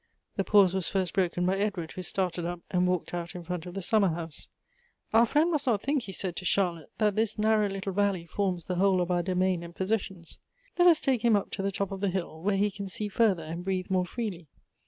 The pause was first broken by Edward, who started up and walked out in front of the summer house. " Our friend must not think," he said to Charlotte, " that this narrow little valley forms the whole of our domain and possessions. Let us take him up to the top of the hill, where he can see farther and breathe more freely."